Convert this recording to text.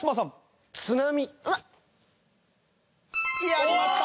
やりました！